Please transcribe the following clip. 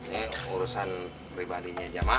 ini urusan pribadinya jemaah